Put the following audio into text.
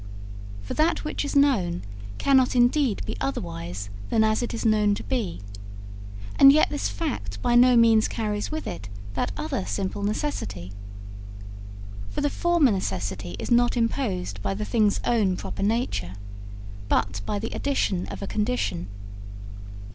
For that which is known cannot indeed be otherwise than as it is known to be, and yet this fact by no means carries with it that other simple necessity. For the former necessity is not imposed by the thing's own proper nature, but by the addition of a condition.